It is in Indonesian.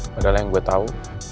padahal yang gue tau